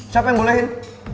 siapa yang bolehin